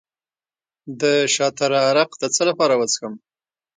د شاه تره عرق د څه لپاره وڅښم؟